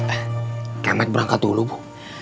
eh kemet berangkat dulu bu